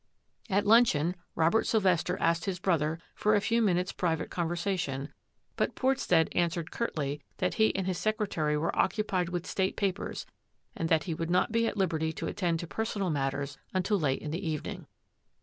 At luncheon Robert Sylvester asked his brother for a few minutes' private conversation, but Port stead answered curtly that he and his secretary were occupied with state papers and that he would not be at liberty to attend to personal matters until late in the evening.